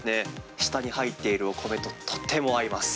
下に入っているお米ととても合います。